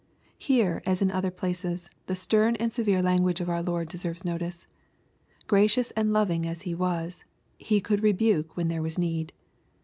] Here, as in other plac(^s, the stem and severe language of our Lord deserves notice. Gracious and loving as He was, He could rebuke when there was need.